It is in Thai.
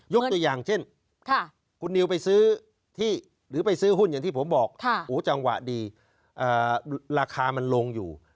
ตัวอย่างเช่นคุณนิวไปซื้อที่หรือไปซื้อหุ้นอย่างที่ผมบอกจังหวะดีราคามันลงอยู่